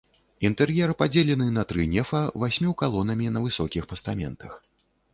Інтэр'ер падзелены на тры нефа васьмю калонамі на высокіх пастаментах.